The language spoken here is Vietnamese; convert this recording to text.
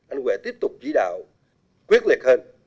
anh huệ tiếp tục chỉ đạo quyết liệt hơn